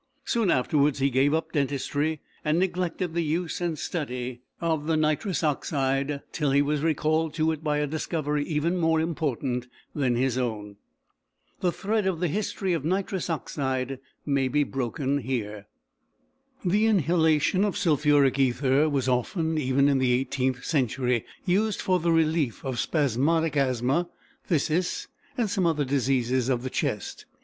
Soon afterwards he gave up dentistry, and neglected the use and study of the nitrous oxide, till he was recalled to it by a discovery even more important than his own. The thread of the history of nitrous oxide may be broken here. The inhalation of sulphuric ether was often, even in the eighteenth century, used for the relief of spasmodic asthma, phthisis, and some other diseases of the chest.